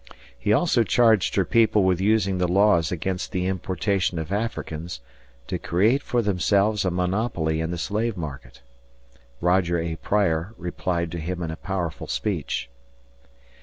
He also charged her people with using the laws against the importation of Africans to create for themselves a monopoly in the slave market. Roger A. Pryor replied to him in a powerful speech.